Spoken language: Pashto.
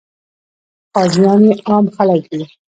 قاضیان یې عام خلک دي.